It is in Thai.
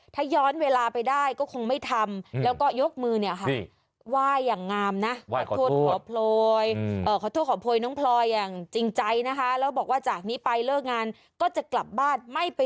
ถ้าย้อนเวลาไปได้ก็คงไม่ทำแล้วก็ยกมือเนี่ยค่ะ